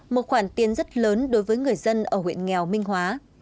một khoản tiền rất lớn đối với người dân ở huyện nghèo minh hóa